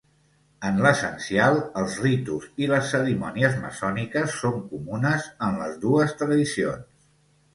En l'essencial, els ritus i les cerimònies maçòniques són comunes en les dues tradicions.